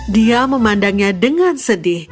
dia memandangnya dengan sedih